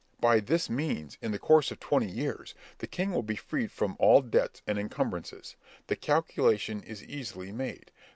By this means, in the course of twenty years the king will be freed from all debts and incumbrances. The calculation is easily made.